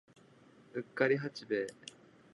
うっかり八兵衛